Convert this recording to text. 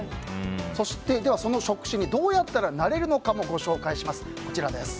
そして、その職種にどうやったらなれるのかもご紹介します。